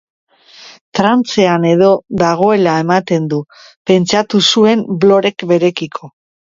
Trantzean-edo dagoela ematen du, pentsatu zuen Blorek berekiko.